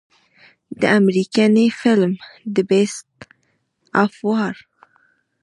د امريکني فلم The Beast of War